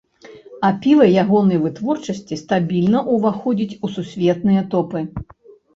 А піва ягонай вытворчасці стабільна ўваходзіць у сусветныя топы.